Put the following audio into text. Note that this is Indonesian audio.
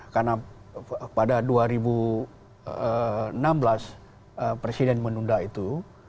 karena pada dua ribu enam belas presiden menunda itu